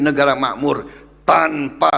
negara makmur tanpa